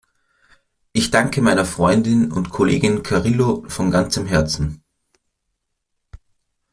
Ich danke meiner Freundin und Kollegin Carrilho von ganzem Herzen.